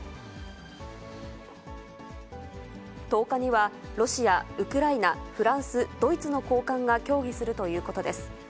１０日は、ロシア、ウクライナ、フランス、ドイツの高官が協議するということです。